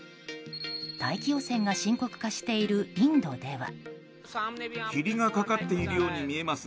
大気汚染が深刻化しているインドでは。